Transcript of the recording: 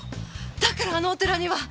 だからあのお寺には。